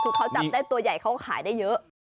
คือเขาจับได้ตัวใหญ่เขาขายได้เยอะ